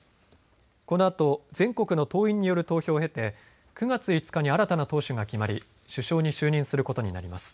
このあと全国の党員による投票を経て９月５日に新たな党首が決まり、首相に就任することになります。